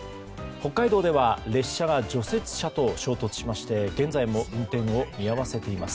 北海道では列車が除雪車と衝突しまして現在も運転を見合わせています。